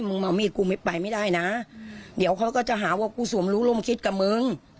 มึงเอามีดกูไม่ไปไม่ได้นะเดี๋ยวเขาก็จะหาว่ากูสวมรู้ร่มคิดกับมึง